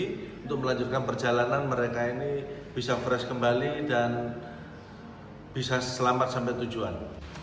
untuk melanjutkan perjalanan mereka ini bisa fresh kembali dan bisa selamat sampai tujuan